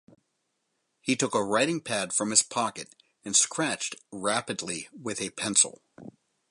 He took a writing pad from his pocket and scratched rapidly with a pencil.